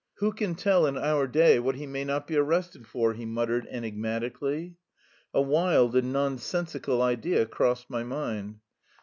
"Who can tell in our day what he may not be arrested for?" he muttered enigmatically. A wild and nonsensical idea crossed my mind.